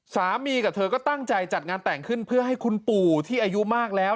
สามีกับเธอก็ตั้งใจจัดงานแต่งขึ้นเพื่อให้คุณปู่ที่อายุมากแล้ว